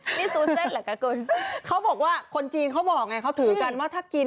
อร่อนดีซูเซนส์เหรอกระกุนเขาบอกว่าคนจีนเขาบอกแหดเขาถือกันว่าถ้ากิน